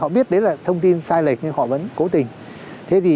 họ biết đấy là thông tin sai lệch nhưng họ vẫn cố tình